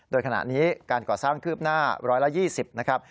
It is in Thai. โดยขณะนี้การก่อสร้างคืบหน้า๑๒๐นะครับ